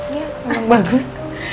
ya memang bagus